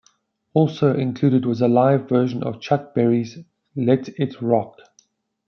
Also included was a live version of Chuck Berry's "Let It Rock".